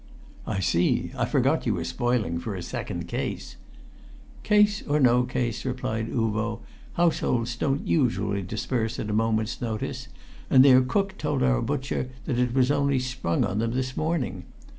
"I see! I forgot you were spoiling for a second case." "Case or no case," replied Uvo, "house holds don't usually disperse at a moment's notice, and their cook told our butcher that it was only sprung on them this morning.